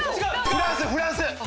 フランスフランス！